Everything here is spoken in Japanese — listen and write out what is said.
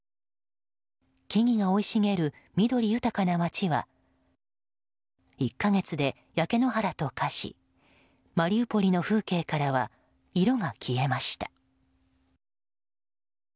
木々が生い茂る緑豊かな街は１か月で焼け野原と化しマリウポリの風景からは色が消えました。